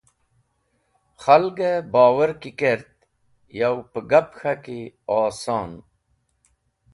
Khalgẽ bowar ki kert yo pẽgap k̃haki oson.